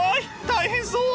大変そう！